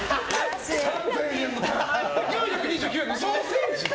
４２９円のソーセージ！